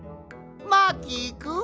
マーキーくん？